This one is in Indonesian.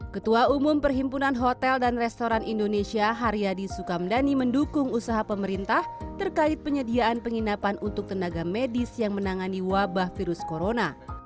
ketua umum perhimpunan hotel dan restoran indonesia haryadi sukamdhani mendukung usaha pemerintah terkait penyediaan penginapan untuk tenaga medis yang menangani wabah virus corona